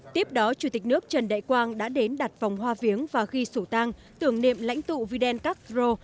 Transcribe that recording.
tiếp đó chủ tịch nước trần đại quang đã đến đặt vòng hoa viếng và ghi sổ tang tưởng niệm lãnh tụ videl castro